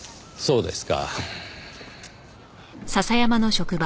そうですか。